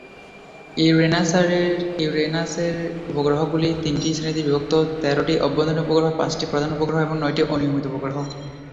ইউরেনাসের উপগ্রহগুলি তিনটি শ্রেণিতে বিভক্ত: তেরোটি অভ্যন্তরীণ উপগ্রহ, পাঁচটি প্রধান উপগ্রহ এবং নয়টি অনিয়মিত উপগ্রহ।